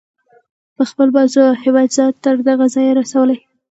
په خپل بازو او همت ځان تر دغه ځایه رسولی.